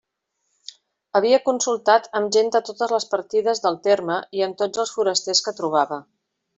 Havia consultat amb gent de totes les partides del terme i amb tots els forasters que trobava.